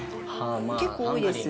結構多いです。